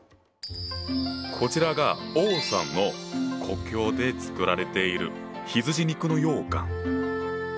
こちらが王さんの故郷で作られている羊肉の羊羹。